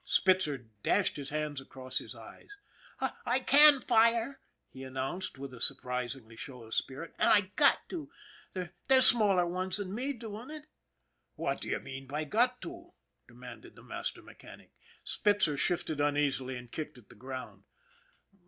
Spitzer dashed his hands across his eyes. " I can fire," he announced with a surprising show of spirit, " an' I got to. There's smaller ones than me doing it." (t What do you mean by ' got to '?" demanded the master mechanic. Spitzer shifted uneasily and kicked at the ground.